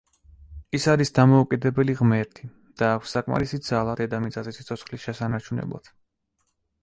ის არის დამოუკიდებელი ღმერთი და აქვს საკმარისი ძალა დედამიწაზე სიცოცხლის შესანარჩუნებლად.